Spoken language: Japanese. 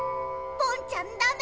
ポンちゃんダメ。